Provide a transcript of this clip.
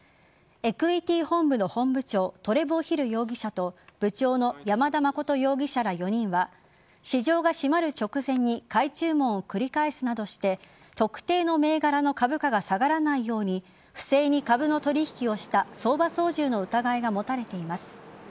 エクイティ本部の本部長トレボー・ヒル容疑者と部長の山田誠容疑者ら４人は市場が閉まる直前に買い注文を繰り返すなどして特定の銘柄の株価が下がらないように不正に株の取引をした相場操縦の疑いが持たれています。